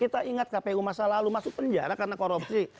kita ingat kpu masa lalu masuk penjara karena korupsi